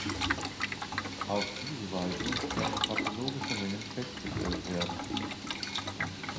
Auf diese Weise können pathologische Mengen festgestellt werden.